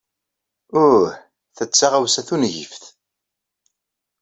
Uh, ta d taɣawsa tungift.